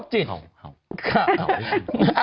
หาว